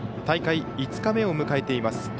大会５日目を迎えています。